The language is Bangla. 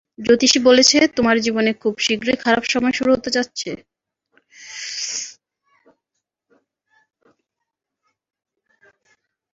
জ্যোতিষি বলেছে তোমার জীবনে খুব শীঘ্রই খারাপ সময় শুরু হতে যাচ্ছে।